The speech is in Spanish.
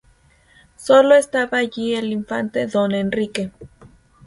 Sólo estaba allí el infante don Enrique.